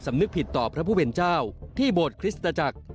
นึกผิดต่อพระผู้เป็นเจ้าที่โบสถคริสตจักร